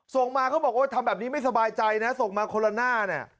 ส่งมาเขาบอกว่าทำแบบนี้ไม่สบายใจนะส่งมาโคลน่าเนี่ย